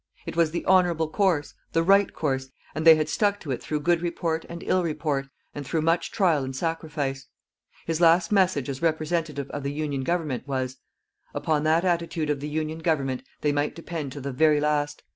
It was the honourable course, the right course, and they had stuck to it through good report and ill report, and through much trial and sacrifice. His last message as representative of the Union Government was: Upon that attitude of the Union Government they might depend to the very last.